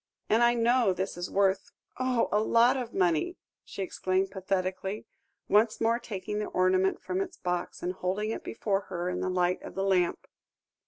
And I know this is worth oh! a lot of money," she exclaimed pathetically, once more taking the ornament from its box, and holding it before her in the light of the lamp.